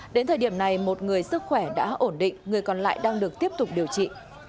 đến thời điểm này một người sức khỏe đã ổn định người còn lại đang được tiếp tục điều trị